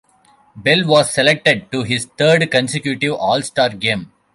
Bell was selected to his third consecutive All-Star game.